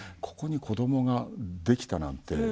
ここに子どもができたなんて